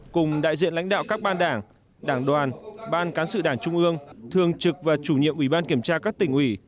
cùng đại diện lãnh đạo các ban đảng đảng đoàn ban cán sự đảng trung ương thường trực và chủ nhiệm ủy ban kiểm tra các tỉnh ủy